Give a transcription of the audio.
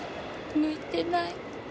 向いてない。